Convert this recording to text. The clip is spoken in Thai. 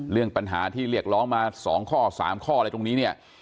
เรื่องปัญหาที่เรียกร้องมา๒ข้อ๓ข้ออะไรตรงนี้เนี่ย